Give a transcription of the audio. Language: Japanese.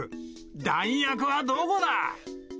弾薬はどこだ！